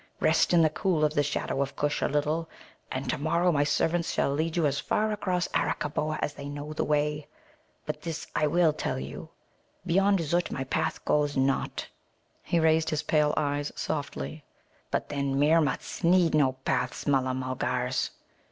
Rest in the cool of the shadow of Kush a little, and to morrow my servants shall lead you as far across Arakkaboa as they know the way. But this I will tell you: Beyond Zut my paths go not." He raised his pale eyes softly. "But then, Meermuts need no paths, Mulla mulgars."